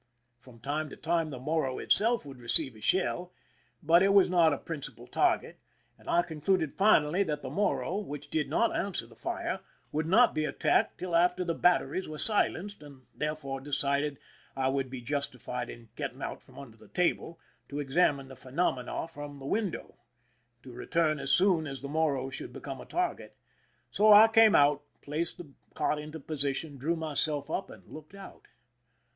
From time to time the Morro itself would receive a shell ; but it was not a prin cipal target, and I concluded finally that the Morro, which did not answer the fire, would not be attacked till after the batteries were silenced, and therefore decided that I would be justified in getting out from under the table to examine the phenomena from the window— to return as soon as the Morro should become a target ; so I came out, placed the cot into position, drew myself up, and looked out.